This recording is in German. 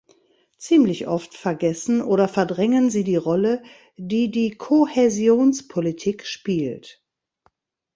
Ziemlich oft vergessen oder verdrängen sie die Rolle, die die Kohäsionspolitik spielt.